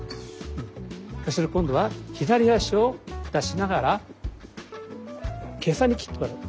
そしたら今度は左足を出しながら袈裟に斬ってもらう。